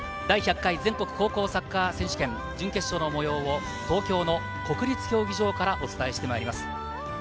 第１００回全国高校サッカー選手権準決勝の模様を東京の国立競技場からお伝えしてまいります。